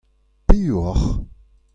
Piv ocʼh ?